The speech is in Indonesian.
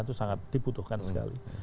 itu sangat dibutuhkan sekali